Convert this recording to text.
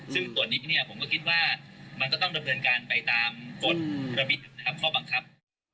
ซึ่งตัวนี้ผมก็คิดว่ามันก็ต้องระเบิดการไปตามกฎระบินข้อบังคับ